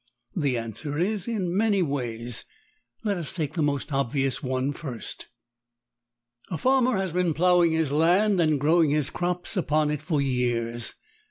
The answer is, in many ways. Let us take the most obvious one first. A farmer has been ploughing his land and growing his crops upon it for years.